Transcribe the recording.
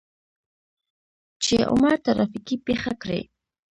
چې عمر ترافيکي پېښه کړى.